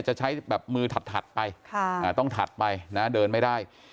จะใช้แบบมือถัดไปต้องถัดไปนะเดินไม่ได้